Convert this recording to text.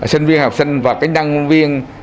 sinh viên học sinh và nhân viên